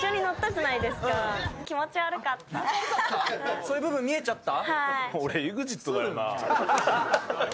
そういうとこ見えちゃった？